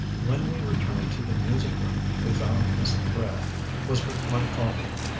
When we returned to the music room, we found Miss Thrale was with my father.